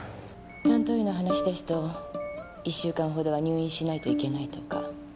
担当医の話ですと１週間ほどは入院しないといけないとか。